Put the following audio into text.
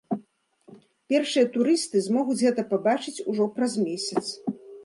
Першыя турысты змогуць гэта пабачыць ужо праз месяц.